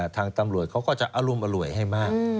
ทางตำรวจเขาก็จะอรุมอร่วยให้มาก